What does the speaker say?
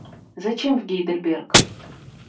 Зачем в Гейдельберг?